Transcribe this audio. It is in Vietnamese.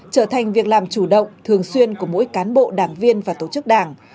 trở thành việc làm chủ động thường xuyên của mỗi cán bộ đảng viên và tổ chức đảng